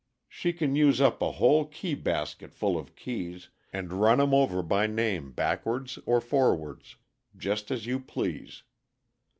She can use up a whole key basket full of keys, and run 'em over by name backwards or forwards, just as you please.